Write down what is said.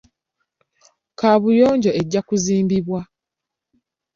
Kaabuyonjo ejja kuzimbibwa.